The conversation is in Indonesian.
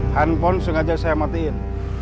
handphone sengaja saya matiin